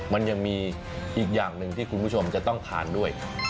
มันยังมีอีกอย่างหนึ่งที่คุณผู้ชมจะต้องทานด้วย